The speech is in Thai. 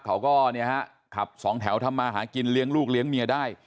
เขาก็เนี่ยฮะขับสองแถวทำมาหากินเลี้ยงลูกเลี้ยงเมียได้